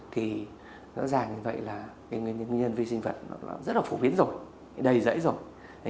thì rõ ràng như vậy là cái nguyên vi sinh vật nó rất là phổ biến rồi đầy dãy rồi